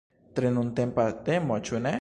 Tre nuntempa temo, ĉu ne?